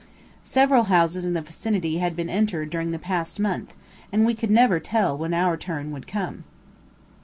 Several houses in the vicinity had been entered during the past month, and we could never tell when our turn would come.